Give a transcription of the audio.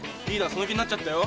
その気になっちゃったよ。